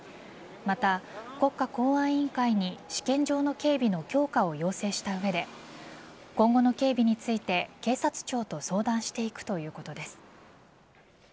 また、国家公安委員会に試験場の警備の強化を要請した上で今後の警備について警察庁と相談していくということです。